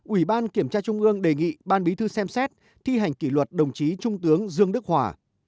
ủy ban kiểm tra trung ương đề nghị ban bí thư xem xét thi hành kỷ luật đồng chí trung tướng dương đức hòa